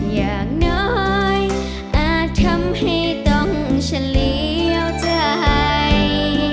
อย่างน้อยอาจทำให้ต้องเฉลี่ยวใจ